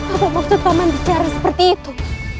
apa maksud koman bicara seperti itu